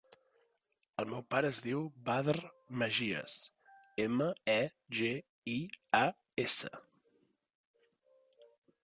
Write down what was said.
El meu pare es diu Badr Megias: ema, e, ge, i, a, essa.